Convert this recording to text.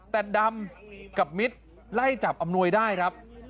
แต่ดำกับมิตรไล่จับอำนวยได้ครับ